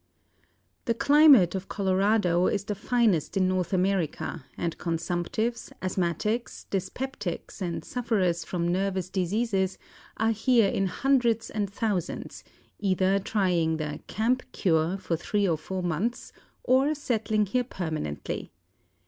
"The climate of Colorado is the finest in North America; and consumptives, asthmatics, dyspeptics, and sufferers from nervous diseases are here in hundreds and thousands, either trying the 'camp cure' for three or four months, or settling here permanently.